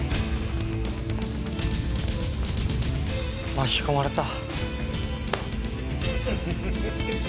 巻き込まれた。